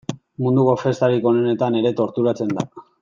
Munduko festarik onenetan ere torturatzen da.